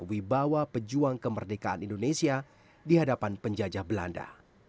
wibawa pejuang kemerdekaan indonesia di hadapan penjajah belanda